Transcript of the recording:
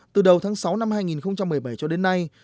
từ đầu tháng sáu năm hai nghìn một mươi bảy cho đến nay